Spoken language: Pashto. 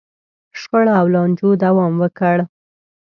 شخړو او لانجو دوام وکړ.